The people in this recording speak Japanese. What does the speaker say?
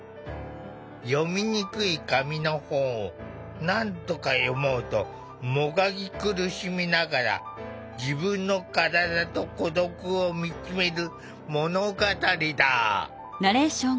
読みにくい紙の本をなんとか読もうともがき苦しみながら自分の身体と孤独を見つめる物語だ。